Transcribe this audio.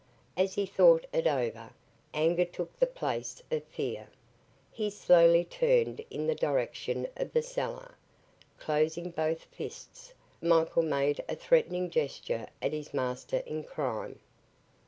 As he thought it over, anger took the place of fear. He slowly turned in the direction of the cellar. Closing both his fists, Michael made a threatening gesture at his master in crime.